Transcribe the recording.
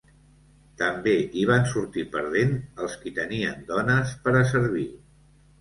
També hi van sortir perdent els qui tenien dones per a servir.